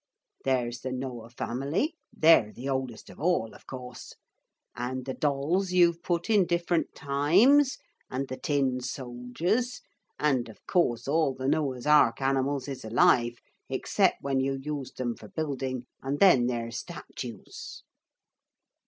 There's the Noah family. They're the oldest of all, of course. And the dolls you've put in different times and the tin soldiers, and of course all the Noah's ark animals is alive except when you used them for building, and then they're statues.'